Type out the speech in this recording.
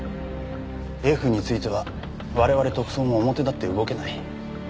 Ｆについては我々特捜も表立って動けない。